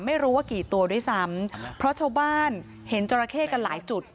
ไม่รู้ว่ากี่ตัวด้วยซ้ำเพราะชาวบ้านเห็นจราเข้กันหลายจุด